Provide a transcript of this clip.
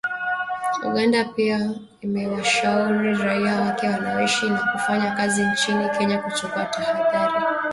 Uganda pia imewashauri raia wake wanaoishi na kufanya kazi nchini Kenya kuchukua tahadhari